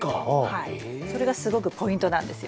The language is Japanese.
はいそれがすごくポイントなんですよ。